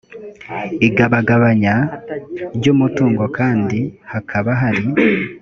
igabagabanya ry umutungo kandi hakaba hari